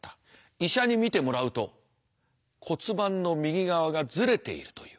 医者に診てもらうと骨盤の右側がずれているという。